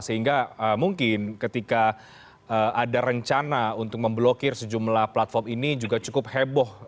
sehingga mungkin ketika ada rencana untuk memblokir sejumlah platform ini juga cukup heboh